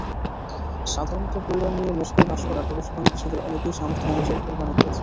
সাধারণত পরিবার নিয়ে মস্কোয় বাস করা প্রবাসী বাংলাদেশিদের অনেকই সামর্থ্য অনুযায়ী কোরবানি দিয়েছেন।